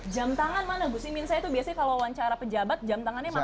jam tangan mana gus imin saya itu biasanya kalau wawancara pejabat jam tangannya mana